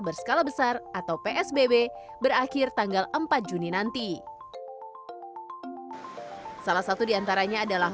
berskala besar atau psbb berakhir tanggal empat juni nanti salah satu diantaranya adalah